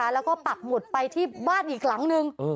แล้วก็ปักหมุดไปที่บ้านอีกหลังนึง